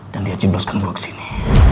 dan dia cibloskan saya ke sini